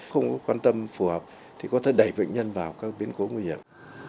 không quan tâm phù hợp thì có thể đẩy bệnh nhân vào các biến cố nguy hiểm